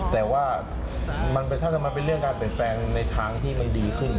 แต่ว่าถ้ามันเป็นเรื่องการเปลี่ยนแปลงในทางที่มันดีขึ้น